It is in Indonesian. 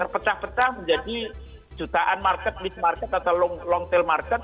terpecah pecah menjadi jutaan market miss market atau long sale market